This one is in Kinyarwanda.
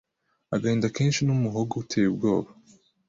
Agahinda kenshi numuhogo uteye ubwoba